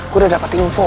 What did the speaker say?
gue udah dapet info